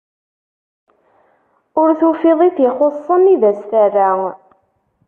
Ur tufiḍ i t-ixuṣṣen, i d as-terra.